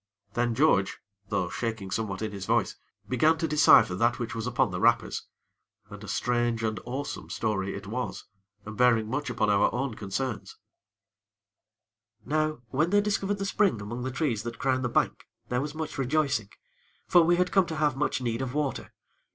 Then George, though shaking somewhat in his voice, began to decipher that which was upon the wrappers, and a strange and awesome story it was, and bearing much upon our own concerns: "Now, when they discovered the spring among the trees that crown the bank, there was much rejoicing; for we had come to have much need of water.